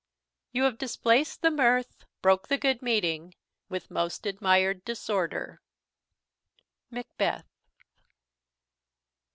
"You have displaced the mirth, broke the good meeting, With most admired disorder." _Macbeth.